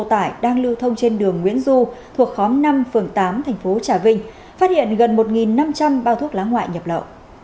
tải đang lưu thông trên đường nguyễn du thuộc khóm năm phường tám tp trà vinh phát hiện gần một năm trăm linh bao thuốc lá ngoại nhập lợ